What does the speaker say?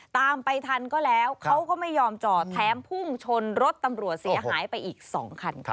ตามไปทันก็แล้วเขาก็ไม่ยอมจอดแถมพุ่งชนรถตำรวจเสียหายไปอีก๒คันค่ะ